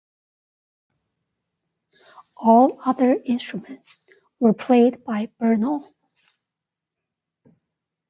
All other instruments were played by Burnel.